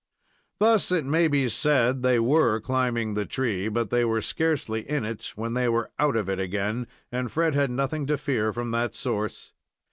Thus, it may be said, they were climbing the tree, but they were scarcely in it when they were out of it again, and Fred had nothing to fear from that source.